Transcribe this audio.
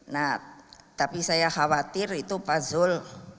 nah tapi saya khawatir itu pak zul